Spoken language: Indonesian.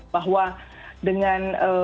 bahwa dengan didekati begitu banyak